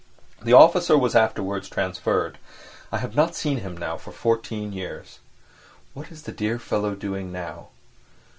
The officer was afterwards transferred; I have not seen him now for fourteen years. What is the dear fellow doing now?